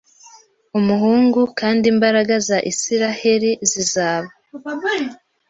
umuhungu kandi imbaraga za Isiraheli zizaba